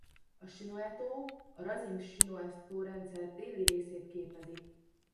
A Sinoe-tó a Razim-Sinoe tórendszer déli részét képezi.